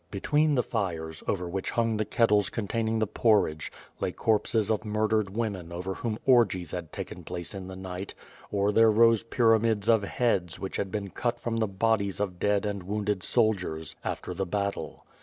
Between the fires, over which hung the kettles containing the porridge, lay corpses of murdered women over whom orgies had taken place in the night, or there rose pyramids of heads which had been cut from the bodies of dead and wounded soldiers after the battle.